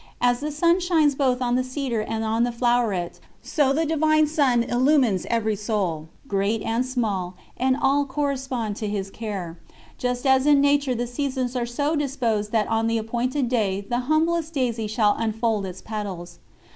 As the sun shines both on the cedar and on the floweret, so the Divine Sun illumines every soul, great and small, and all correspond to His care just as in nature the seasons are so disposed that on the appointed day the humblest daisy shall unfold its petals.